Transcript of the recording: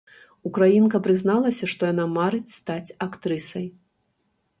Украінка прызналася, што яна марыць стаць актрысай.